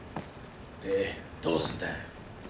でどうすんだよ。